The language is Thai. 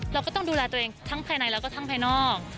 เราก็ต้องดูแลตัวเองทั้งภายในแล้วก็ทั้งภายนอก